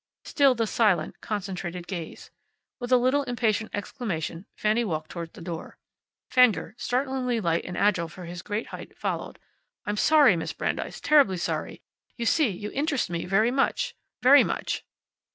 Still the silent, concentrated gaze. With a little impatient exclamation Fanny walked toward the door. Fenger, startlingly light and agile for his great height, followed. "I'm sorry, Miss Brandeis, terribly sorry. You see, you interest me very much. Very much."